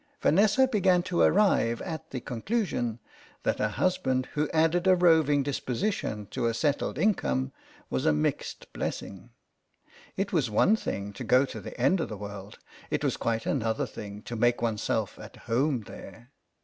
Vanessa began to arrive at the conclusion that a husband who added a roving dis position to a settled income was a mixed blessing. It was one thing to go to the end of the world ; it was quite another thing to make oneself at home there.